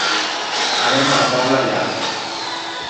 Anem a la Pobla Llarga.